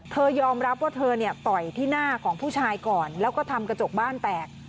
ยอมรับว่าเธอเนี่ยต่อยที่หน้าของผู้ชายก่อนแล้วก็ทำกระจกบ้านแตก